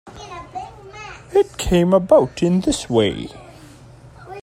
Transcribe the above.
It came about in this way.